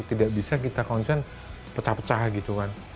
tidak bisa kita konsen pecah pecah gitu kan